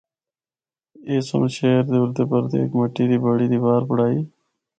اس سنڑ شہر دے اُردے پردے ہک مٹی دی بڑی دیوار بنڑائی۔